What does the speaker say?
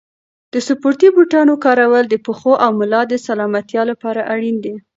د سپورتي بوټانو کارول د پښو او ملا د سلامتیا لپاره اړین دي.